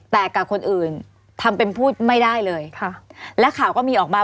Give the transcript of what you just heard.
แต่กับคนอื่นทำเป็นพูดไม่ได้เลยค่ะและข่าวก็มีออกมา